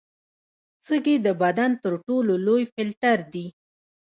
سږي د بدن تر ټولو لوی فلټر دي.